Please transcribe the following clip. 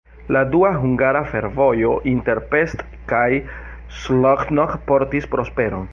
La dua hungara fervojo inter Pest kaj Szolnok portis prosperon.